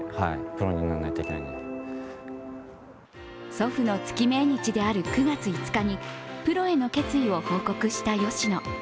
祖父の月命日である９月５日にプロへの決意を報告した吉野。